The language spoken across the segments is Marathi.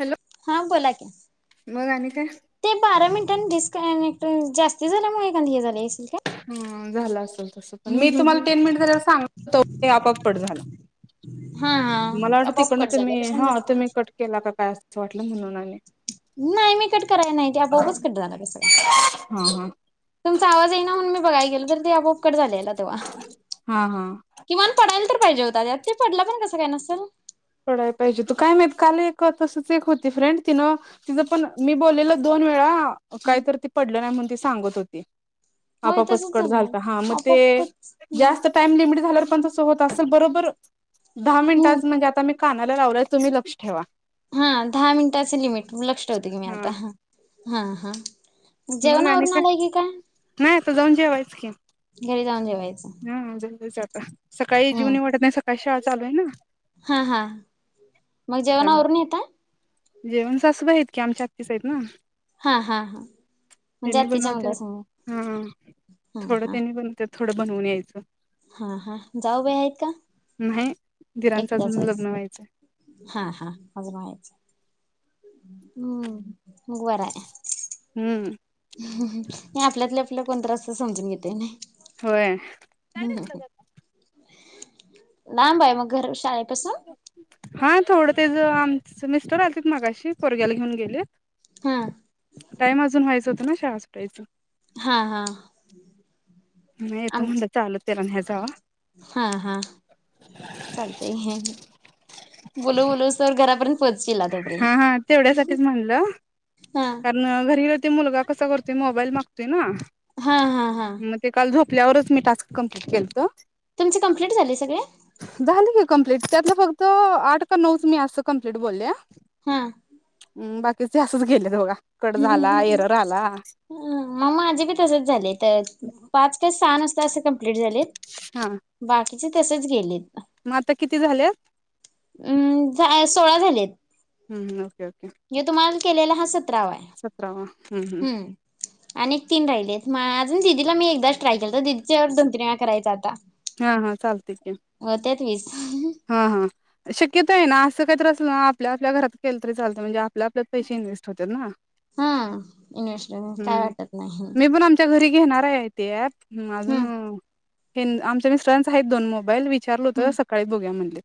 हॅलो हा बोला की मग आणि काय? ते बारा मिनिटां डिस् कनेक्टिंग जास्ती झाल्यामुळे आणि हे झाले असेल. काय? ह्म्म झालं असेल तसं पण हम्म मी हम्म तुम्हाला तीन हम्म. मिनिट झाल्यावर सांग तो आपोआप कट झाला. हा हा मला वाटतं आपोआप तिकडन कट झाला तुम्ही कशाने हा झाला तुम्ही कुणास ठाऊक. कट केला का काय असंच वाटलं म्हणून आणि नाही मी कट कराय नाही ते आपोआपच कट झाला कसं काय? हा हा तुमचा आवाज येइना म्हणून मी बघाय गेलो, तर आपोआप कट झालेला तेव्हा. हा हा किमान पडायल तर पाहिजे होता त्यात,, ते पडला पण कसं काय नसल? पडाय पाहिजे हुतं काय माहित, काल एक तसंच एक होती फ्रेंड, तीनं तिचं पण मी बोललेलं दोन वेळा, काहीत तर ते पडलं नाही म्हणून ती सांगत होती होय आपापच तसच कट झालं झालतं, हा मग ते आपोआपच जास्त हम्म. टाईम लिमिट झाल्यावर पण तसं होतं असल, बरोबर दहा मिनिटाच म्हणजे आत आता मी कानाला लावलाय तुम्ही लक्ष ठेवा. हा दहा मिनिटाचं लिमिट,, लक्ष ठेवते की मी हा आता,, हा हा. मग आणि जेवणावरून आलाय की काय? नाही आता जाऊन जेवायच की घरी जाऊन जेवेल. हा, जाऊनच आता, सकाळी जीव हम्म ईऊ वाटत नाही सकाळची शाळा चालू आहे ना आता. हा हा, मग जेवण त्यामुळे आवरून येताय? जेवण सासूबाई आहेत की आमच्या आत्तीस आहेत ना. हा हा हा म्हणजे तेनी आत्तीच्या बनवत्यात,, मुलासंग हा हा,, हा थोडं हा त्यांनी बनव ते थोडं बनवून यायचं. हा हा, जाऊबाई आहेत का? न्हाई. एकट्याच आहेसा,. हा हा अजून व्हायचं हम्म,, मग बरंय हम्म. हम्म हम्म,, हे आपल्यातल्या आपलं कोणतरी असं समजून घेतय नाय होय हम्म हम्म हम्म. लांब आय मग घर शाळेपसून? हा थोडं तेज आमचं मिस्टर आलतेत मगाशी,, पोरग्याला घेऊन गेले. हा. टाइम अजून व्हायचं होतं ना शाळा सुटायचं. हा हा. नाही येतो आमच म्हणलं चालत त्याला न्या जावा हा हा. चालतय हे. बोलू बोलूस तवर घरापर्यंत पोच शीलात. हा हा, तेवढ्यासाठीच म्हणलं हा कार न घरी तो मुलगा कसा करतोय, मोबाईल मागतोय ना. हा हा हा. मग ते काल झोपल्यावरच मी टास्क कम्प्लीट केलतं. तुमची कंप्लीट झाली सगळे.? झाली की कंप्लीट,, त्यातलं फक्त आठ का नऊ मी असं कंप्लीट बोलल्या हा. हम्म बाकीचं असच गेल्यात बघा,, कट झाला एरर आला. हम्म माझे बी तसंच झाले तर, पाच का सहा नुसतं असं कमप्लीट झालेत हां. बाकीचे तसच गेलेत. म आता किती झाले? अम् सोळा झालेत. हम्म ओके ओके यो तुम्हाला केलेला हा सतरावाय- हम्म. आणि तीन राहिलेत,, मग अजून दिदीला मी एकदाच ट्राय केलातो,,. दिदीच्या वेळी दोन तीन वेळा करायचा आता. हा हा चालते की. होत्यात वीस. हा हा. शक्यत आहे ना असं काही त्रास ना आपल्या आपल्या घरात केलं तरी चालतं म्हणजे आपल्या आपल्यात पैसे इन्व्हेस्ट होतात ना. हा इन्व्हेस्ट [unintelligible] काय वाटत नाही. त्या घरी घेणार आहे ते ऍप म अजून तेन आमच्या मिस्टरांचं आहेत दोन मोबाईल वि चारलं हम्म होतं, सकाळी बघूया म्हणलेत.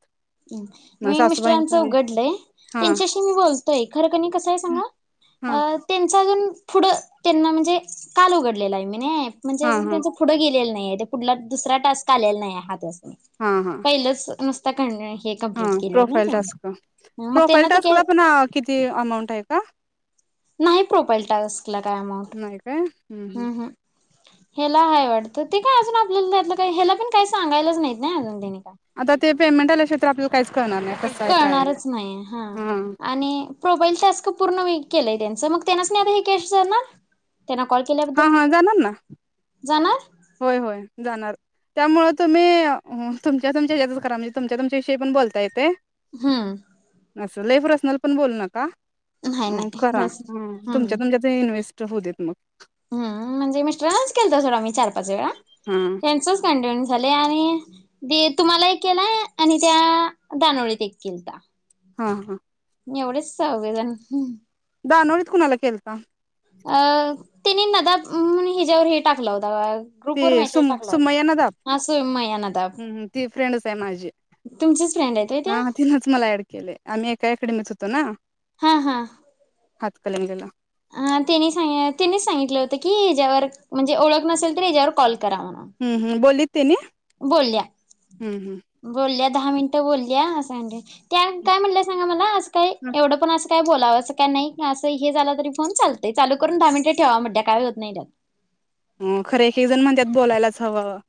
मी सासूबाईंच मिस्टरांचं आहे उघडलंय, हा त्यांच्याशी मी बोलतोय खरं क‌ नि कसंय हा सांगा अ त्यांचं अजून पुढं त्यांना म्हणजे काल उघडलेला आहे मी ना एप, म्हणजे हा अजून हा त्यांचं पुढं गेलेलं नाही आहे, ते पुढला दुसरा टास्क आलेला नाही, [unintelligible] हा हा. पहिलंच नुसतं [unintelligible] हा प्रोफाईल टास्क, मग प्रोफाईल त्यांना ते काय टास्कला पण अ किती अमाऊंट आहे का? नाही प्रोपाईल टास्कला काय अमाऊंट, हम्म हम्म. हेला हाय वाटतं, ते काय अजून आपल्याला त्यातलं काय हेला पण काही सांगायलाच नाहीत ना अजून त्यानी काय. आता ते पेमेंट आल्या शिवाय तर आपल्याला काहीच कळणार नाही, कस कळणारच नाही, हा आणि प्रोफाईल टास्क पूर्ण मी केलाय त्यांचं, मग त्यांनासनी आता ही कॅश जाणार? त्यांना कॉल हा केल्याबद्दल हा जाणार ना जाणार? होय होय जाणार. त्यामुळं तुम्ही, तुमच्या तुमच्यातच करा म्हणजे तुमच्या तुमच्याविषयी पण बोलता येतेय. हम्म. असं लई प्रसनल पण बोलू नका, नाही म नाही करा बस हम्म तुमच्या तुमच्या ते इन्व्हेस्ट होऊ देत मग. हम्म, म्हणजे मिस्टरांनांच केलता सोडा मी चार पाच वेळा. हम्म. त्यांचंच कंटीन्यू झालंय आणि दे तुम्हाला एक केलाय आणि त्या दानोळीत एक केलता. हा हा. एवढेच चौघे जण. दानोळीत कुणाला केलता? अ त्यानी नदात म्हणून हेच्यावर हे टाकला होता बघा. ती सुम सुमय्या नदाख? सुमया हम्म हम्म ती फ्रेंडच आहे माझी. तुमची फ्रेंड आहे ते? हा हा तिनंच मला ऍड केलंय, आम्ही एका अकॅडमीत होतो ना. हा हा. हातकलंगलीला. ह त्यांनी सां त्यांनीच सांगितलं होतं की, ह्याच्यावर म्हणजे ओळख नसेल तर ह्याच्यावर कॉल करा म्हणून. हम्म हम्म, बोललीत त्यानी? बोलल्या. बोलल्या दहा मिनिटं बोलल्या, असं [unintelligible] त्या काय म्हणल्या सांगा मला असं काही हम्म एवढं पण अस काय बोलावं असं काय नाही, असं हे झालं तरी पण चालतंय, चालू करून दहा मिनिटं ठेवा म्हणल्या काही होत नाही त्याला. अ खरं एक एक जण म्हणत्यात बोलायलाच हवं.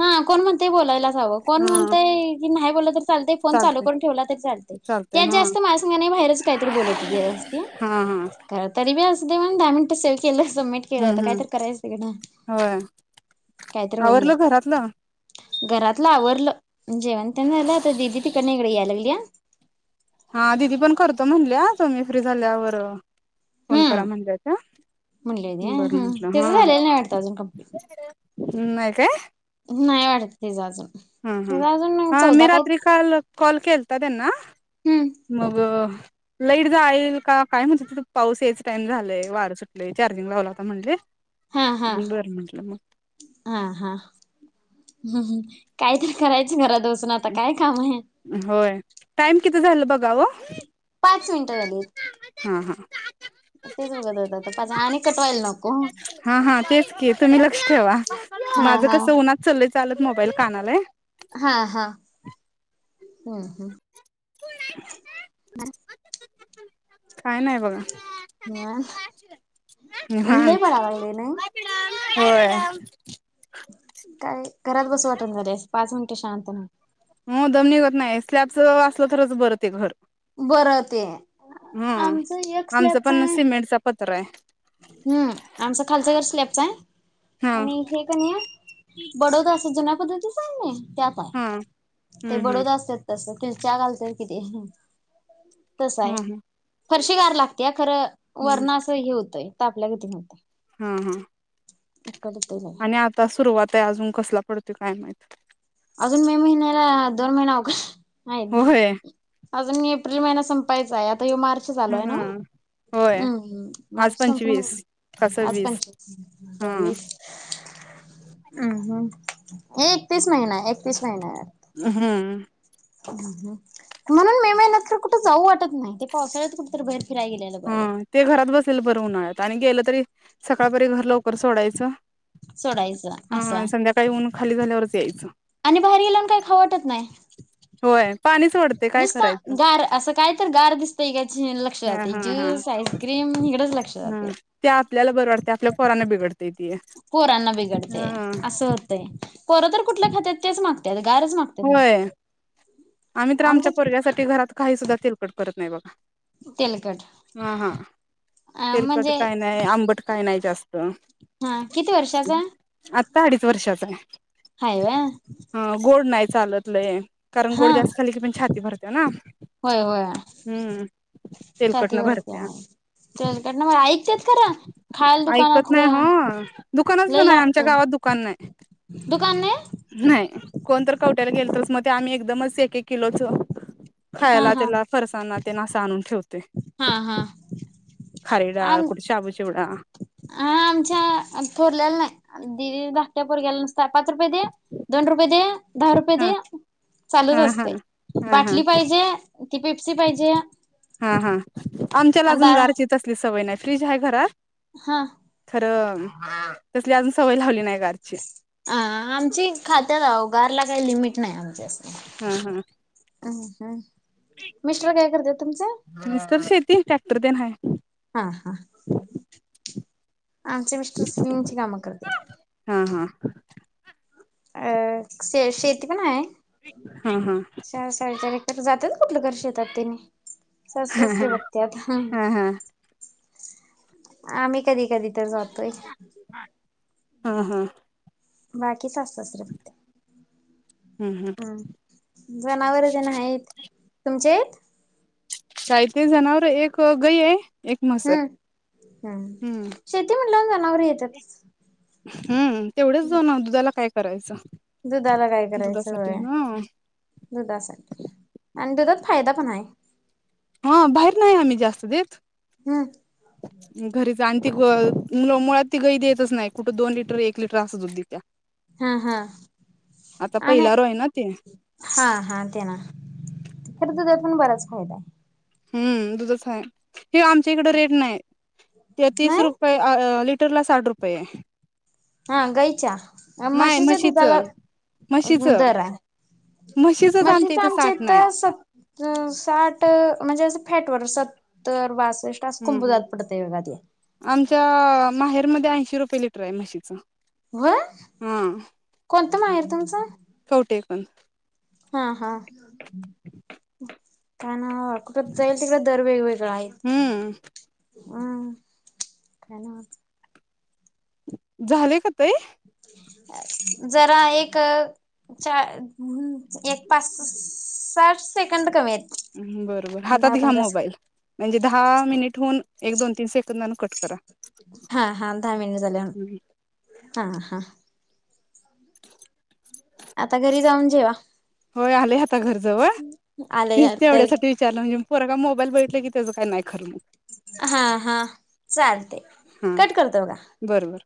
हा कोण म्हणतंय बोलायलाच हवं, कोण हा म्हणतंय की नाही बोललं तर चालतंय फोन चालू चालते करून ठेवला तरी चालतंय. चालते त्यात हा जास्त माझ्या संग नाही, बाहेरच काहीतरी बोलत होती [unintelligible] हां हां. खर तरी बी असुदे म्ह दहा मिनटं सेव केलं संमिट. केलं हम्म आता हम्म काहीतरी करायचय ना होय कायतरी होऊन दे. आवरलं घरातलं. घरातलं आवरलं जेवण त्या न्ह्यायला येत दिदी तिकडन इकडं या लागलीया. हा दिदी पण करतो म्हणल्या तुम्ही फ्री झाल्यावर. फोन करा हम्म म्हणल्या त्या म्हणली होती ती व्हय बरं हम्म म्हटलं तिचं झालेलं नाही वाटतं हा. अजून कंप्लीट नाय काय? नाय वाटतेजाच. हम हम हा मी रात्री काल कॉल केलता त्यांना हम्म मग. लाईट जाईल का काय म्हणत त पाऊस यायचं टाइम झालाय वार सुटलय चार्जिंग लावला होता म्हणले. हा हा. बर म्हंटलं मग हा हा हम् कायतरी करायचं घरात ब सून आता काय काम हाय? होय टाइम किती झाल बघा हो. पाच मिनटं झाली. हा हा. तेच बघत होतो तो पाच आणि कटवायल नको. हा हा तेच की तुम्ही लक्ष ठेवा हा माझं हा कसं उन्हात चललंय चालत मोबाईल कानालाय. हा हा हम्म हम्म. फुल राईस खाता. [unintelligible] काय नाय बघा. निवांत ऊन लय निहान्त पडाय लागलय नाही होय. काय घरात बसू वाटण झालाय पाच मिनटे शांत ना. हो दम निघत नाही आहे स्लॅब च असलं तरच बर ते घर. बरं ते हम आमचं एक आमचं पण सिमेंटचा पत्रा आहे. हम आमच खालच घर स्लॅबच हाय हा आणि हे बडोद असं जुन्या पद्धतीच आहे नाय त्या हा ते हम्म हम्म बडोद असत्यात तस फिरच्या घालतात किती. तस आहे हा हा फरशी गार लागतेया खरं हम्म वरण असं हे होत. ताटल्यागत म्हणतोय. हा हा. इकड तल. आणि आता सुरुवात आहे अजून कसला पडतोय काय माहित. आजून मे महिन्याला दोन महिना अघ हायत भो होय आजून एप्रिल महिना संपायचाय आता यो मार्च चालू आहे ना ओ. हम्म होय हम्म आज मार्च पंचवीस का सव्वीस हा [unintelligible] अम् हम् हे एकतीस नाहीना एकतीसला येणार. अ हम्म. अहं हं. म्हणून मे महिन्यातन कुठं जाऊ वाटत नाही ते पावसाळ्यात कुठे तरी बाहेर फिराय गेलेलं हा बरं वाटतं. ते घरात बसलेलं बरं उन्हाळ्यात आणि गेलं तरी सकाळपरेत घर लवकर सोडायचं. सोडायचं हा असं हा आहे संध्याकाळी ऊन खाली झाल्यावरच यायचं. आणि बाहेर गेल्यावन काय खाऊ वाटत नाय होय पाणी सोडते काय नुसता करायचं गार असं काय तर गार दिसते का याची लक्ष हा जाते हा हा ज्यूस आइस्क्रीम हीकडेंच लक्ष हा जाते. ते आपल्याला बर वाटतं आपल्या पोराना बिघड पोरांना बिघडते असं होतंय पोरं तर कुठल खातात तेच मागतात गारच माग होय आम्ही तर आमच्या आमच्यात पोरग्यासाठी घरात काही सुद्धा तेलकट करत नाही बघा. तेलकट हा हा अ तेलकट म्हणजे काय ना नाय आंबट काय नाय जास्त. हा किती वर्षाचा? आत्ता अडीच वर्षाचा आहे. हाय वे. ह गोड नाय चालत लंय कारण गोड हा जास्त झााले की पण छाती भरते ना. होय होय हम्म तेलकट ला छातीवरती भरत्या. आहे. तेलकट ने बरं ऐकतत खरा ऐकत नाय हां दुकान लय असलं ना नाय आमच्या लागतय. गावात दुकान नाय. दुकान नाही नाय कोण तर कवट्यायला गेल तरच मग ते आम्ही एकदमच एक एक किलोच हा खायला हा त्याला फरसाना तेन अस आणून ठेवतोय हा हा खारी डाळ आम कुठे शाबू चिवडा. हा आमच्या थोरल्याला नाय दि दि धाकट्या पोरला नुसता पाच रुपये दे. दोन रुपय दे. दहा रुपये हा दे चालूच हा हा असते हा हा बाटली पाहिजे ती पिप्सी पाहिजे. हा हा आमच्याला अजून दा गारची तसली सवय नाय फ्रीज हाय घरात. हा. खरं तसली अजून सवय लावली नाय गारची. ह आमची खात्यात आव गारला काय लिमिट नाय आमच्या अस हा हा. आणि काय मिस्ट्रर काय करत्यात तुमचे? मिस्टर शेती ट्रॅक्टर ते ना हाय. हा हा आमचे मिस्टर सिंगची कामं करत्यात. हा हा. अ शे शेती पण हाय. हा हा चार साडेचार एक जातात कुठलं तरी शेतात तिने सासू सासर हा बघत्यात हम्म. हा हा आम्ही कधी कधी तर जातोय. हम्म हम्म. बाकी सासू सासरे बघता हम्म हम्म. जनावर तेन हायत तुमचे आहेत? काय ते जनावर एक गई हाय. हम्म हम्म शेती म्हणल्या जनावर येतातच. हम्म तेवढंच जाऊ ना दुधाला काय करायचं? दुधाला काय करायचं होय दुधासाठी हा दुधासाठी आणि दुधात फायदा पण हाय हा बाहेर नाय आम्ही जास्त देत हम्म. [inaudible] घरीच आणि ती ग मुळात ती गही देतच नाही कुठं दोन लिटर एक लिटर असं दुध दीत्या हा हा आता पहिलारू आहे ना ते हां हां, आणते ना. परत दुधातून बराच फायदा. हूं, दुधंच हाय. ही आमच्या हिकडं रेट न्हाय. ते तीस नाही रुपये अ, लिटरला साठ रुपयेय हं, गईच्या. अ नाही म्हशीच्या दुधाला म्हशीचं [unintelligible] म्हशीचं दर आहे. म्हशीचंच म्हशीचं आमच्या साठ नाही इथं सत हं, साठ म्हणजे असं फॅट वर, सत्तर, बासष्ट असं हम्म हम्म कुंभोजात पडतंय बघा ते आमच्या माहेरमध्ये, ऐंशी रु. लिटरयं म्हशीचं. व्हय? हा कोणतं माहेर तुमचं? हो, ते पण. हां, हां. काय नाय अवो, कुटंबी जाईल तिकडं, दर वेळी वेगळं हाय. हम्म ऊं, काय नाही मग. झालंय का पे? जरा एक चार एक पाच, साठ सेकंद कमी आहेत. बर बर, हातात दहा घ्या पंधरा मोबाईल. सेकंद म्हणजे दहा मिनिट होऊन, एक दोन तीन सेकंदानं कट करा. हां, हां. दहा मिनट झाल्यावर. हां, हां. [inaudible] आता घरी जाऊन जेवा. होय, आलंय आाता घर जवळ. तीच आलंय तरी तेवढ्यासाठी त्यानं येऊन, पोरगा मोबाईल बगीतला की त्याजं काही नाही खरं मग. हां, हां. चालतंय. हा कट करतो बघा. बरोबर